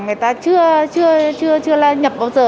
người ta chưa nhập bao giờ